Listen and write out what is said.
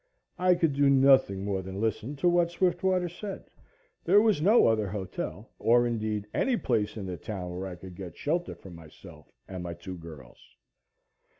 I could do nothing more than listen to what Swiftwater said. There was no other hotel, or indeed any place in the town where I could get shelter for myself and my two girls.